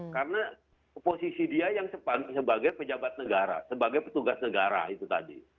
karena posisi dia yang sebagai pejabat negara sebagai petugas negara itu tadi